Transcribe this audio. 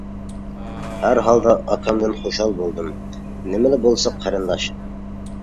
ھەر ھالدا ئاكامدىن خۇشال بولدۇم، نېمىلا بولسا قېرىنداش.